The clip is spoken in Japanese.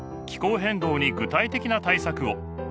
気候変動に具体的な対策を。